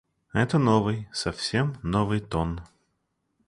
Это новый, совсем новый тон.